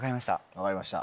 分かりました。